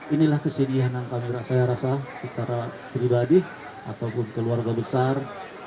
inilah kesedihan yang kami saya rasa secara pribadi ataupun keluarga besar